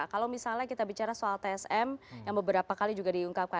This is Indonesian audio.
kalau misalnya kita bicara soal tsm yang beberapa kali juga diungkapkan